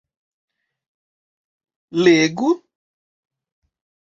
Legu...